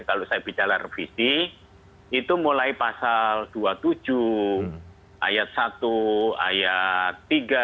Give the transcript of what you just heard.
kalau saya bicara revisi itu mulai pasal dua puluh tujuh ayat satu ayat tiga